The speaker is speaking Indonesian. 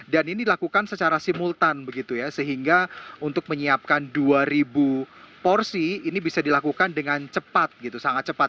dan ini dilakukan secara simultan begitu ya sehingga untuk menyiapkan dua ribu porsi ini bisa dilakukan dengan cepat gitu sangat cepat